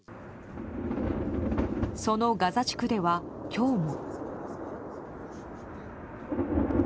そのガザ地区では今日も。